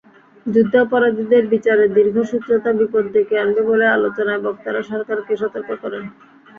যুদ্ধাপরাধীদের বিচারে দীর্ঘসূত্রতা বিপদ ডেকে আনবে বলে আলোচনায় বক্তারা সরকারকে সতর্ক করেন।